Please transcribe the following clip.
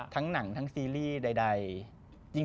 หนังทั้งซีรีส์ใด